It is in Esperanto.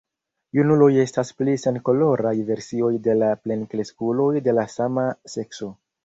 Junuloj estas pli senkoloraj versioj de la plenkreskuloj de la sama sekso.